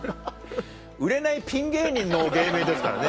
売れないピン芸人の芸名ですからね